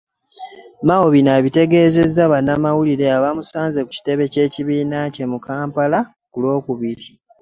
Mao bino abitegeezezza bannamawulire abamusanze ku kitebe ky'ekibiina kye mu Kampala ku Lwokubiri